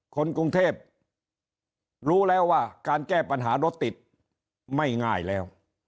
คนกรุงเทพรู้แล้วว่าการแก้ปัญหารถติดไม่ง่ายแล้ว